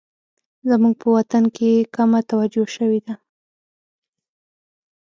زموږ په وطن کې کمه توجه شوې ده